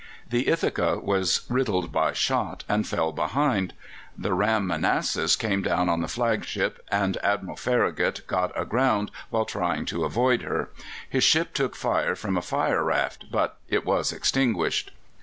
The Ithaca was riddled by shot and fell behind. The ram Manasses came down on the flag ship, and Admiral Farragut got aground while trying to avoid her. His ship took fire from a fire raft, but it was extinguished.